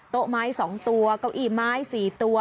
โต๊ะไม้๒ตัวเก้าอี้ไม้๔ตัว